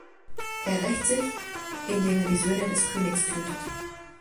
Er rächt sich, indem er die Söhne des Königs tötet.